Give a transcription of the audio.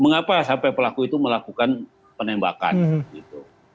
mengapa sampai pelaku itu melakukan penembakan gitu